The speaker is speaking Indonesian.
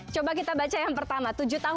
coba kita baca yang pertama